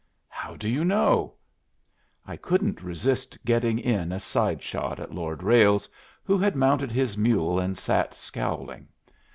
"How do you know?" I couldn't resist getting in a side shot at Lord Ralles, who had mounted his mule and sat scowling.